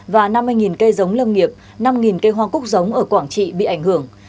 và năm mươi cây giống lâm nghiệp năm cây hoa cúc giống ở quảng trị bị ảnh hưởng